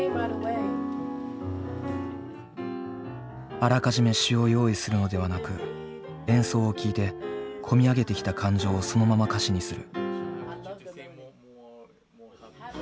あらかじめ詞を用意するのではなく演奏を聴いて込み上げてきた感情をそのまま歌詞にする。